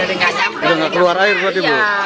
udah gak keluar air kok ibu